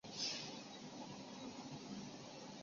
现时为城堡范围为名城公园。